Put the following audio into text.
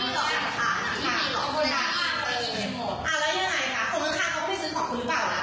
แล้วคุณไปต่อแล้วคุณถามเขามาว่า